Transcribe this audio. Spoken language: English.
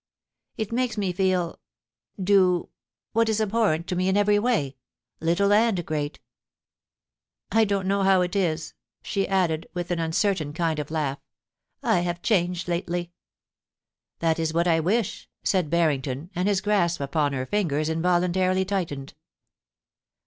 It makes me feel — do— what is abhorrent to me in every way — little and great ... I don't know how it is,' she added, with an uncertain kind of laugh ;* I have changed lately.' * That is what I wish,' said Barrington, and his grasp upon her fingers involuntarily tightened.